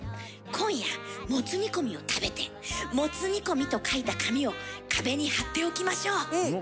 今夜もつ煮込みを食べて「もつ煮込み」と書いた紙を壁に貼っておきましょう。